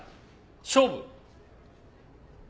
勝負！